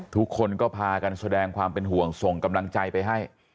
ทุกคนก็พากันแสดงความเป็นห่วงส่งกำลังใจไปให้